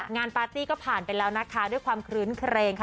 งานปาร์ตี้ก็ผ่านไปแล้วนะคะด้วยความคลื้นเครงค่ะ